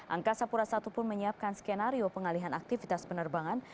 angka sapura satu pun menyiapkan skenario pengalihan aktivitas penerbangan